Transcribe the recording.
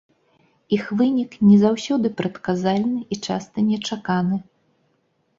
Іх вынік не заўсёды прадказальны і часта нечаканы.